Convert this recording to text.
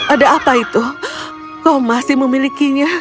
ada apa itu kau masih memilikinya